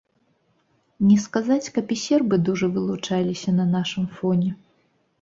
Не сказаць, каб і сербы дужа вылучаліся на нашым фоне.